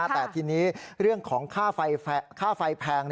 แต่ทีนี้เรื่องของค่าไฟแพง